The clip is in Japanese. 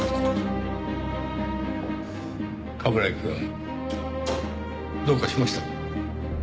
冠城くんどうかしましたか？